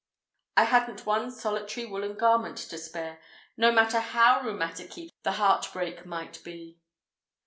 I hadn't one solitary woollen garment to spare, no matter how rheumaticky the heartbreak might be.